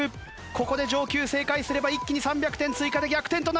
ここで上級正解すれば一気に３００点追加で逆転となるが残り５秒！